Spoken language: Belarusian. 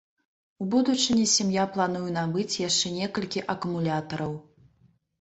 У будучыні сям'я плануе набыць яшчэ некалькі акумулятараў.